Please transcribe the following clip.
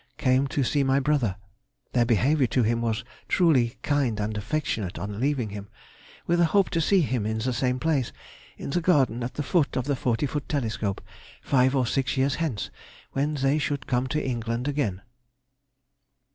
came to see my brother. Their behaviour to him was truly kind and affectionate on leaving him, with a hope to see him in the same place—in the garden at the foot of the forty foot telescope—five or six years hence, when they should come to England again.